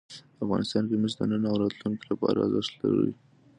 افغانستان کې مس د نن او راتلونکي لپاره ارزښت لري.